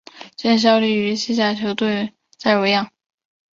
现效力于西甲球队塞维利亚。